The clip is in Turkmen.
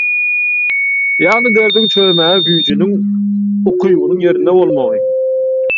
Ýagny derdiňi çözmäge güýjiniň, ukybynyň ýerinde bolmagy.